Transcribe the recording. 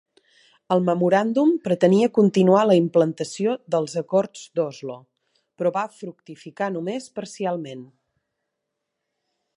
El memoràndum pretenia continuar la implantació dels Acords d'Oslo, però va fructificar només parcialment.